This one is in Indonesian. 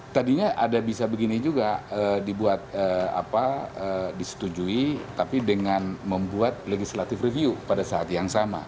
tadinya ada bisa begini juga dibuat apa disetujui tapi dengan membuat legislative review pada saat yang sama